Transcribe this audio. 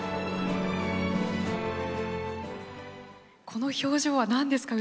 この表情は、なんですか？